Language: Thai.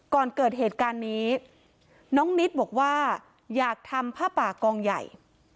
ก่อนเกิดเหตุการณ์นี้น้องนิดบอกว่าอยากทำผ้าป่ากองใหญ่